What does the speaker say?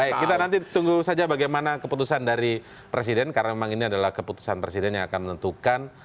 baik kita nanti tunggu saja bagaimana keputusan dari presiden karena memang ini adalah keputusan presiden yang akan menentukan